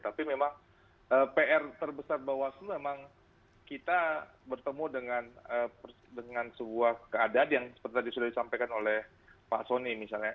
tapi memang pr terbesar bawaslu memang kita bertemu dengan sebuah keadaan yang seperti tadi sudah disampaikan oleh pak soni misalnya